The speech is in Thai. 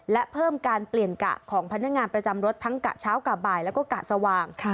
และเพิ่มการเปลี่ยนกะของพนักงานประจำรถทั้งกะเช้ากะบ่ายแล้วก็กะสว่าง